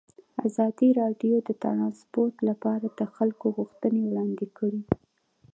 ازادي راډیو د ترانسپورټ لپاره د خلکو غوښتنې وړاندې کړي.